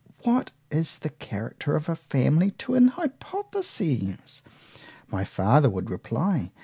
——What is the character of a family to an hypothesis? my father would reply.